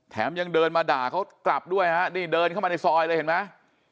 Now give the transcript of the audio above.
ยังเดินมาด่าเขากลับด้วยฮะนี่เดินเข้ามาในซอยเลยเห็นไหม